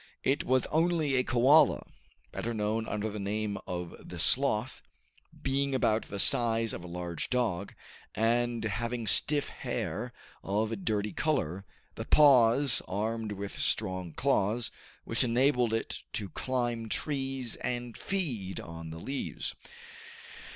It was only a koala, better known under the name of the sloth, being about the size of a large dog, and having stiff hair of a dirty color, the paws armed with strong claws, which enabled it to climb trees and feed on the leaves.